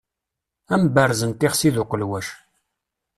Amberrez n tixsi d uqelwac.